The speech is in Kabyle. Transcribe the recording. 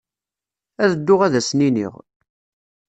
Ad dduɣ ad asen-iniɣ.